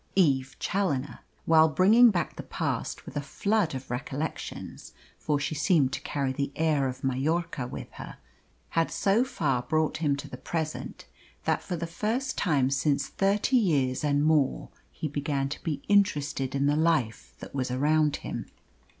Eve Challoner, while bringing back the past with a flood of recollections for she seemed to carry the air of Mallorca with her had so far brought him to the present that for the first time since thirty years and more he began to be interested in the life that was around him.